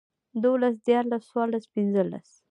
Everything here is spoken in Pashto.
دولس ديارلس څوارلس پنځلس